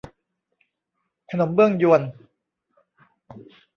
ขนมเบื้องญวน